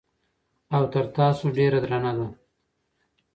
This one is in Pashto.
او تر تاسو ډېره درنه ده